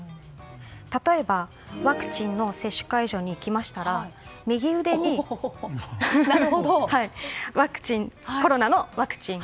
例えば、ワクチンの接種会場に行きましたら右腕にコロナのワクチン。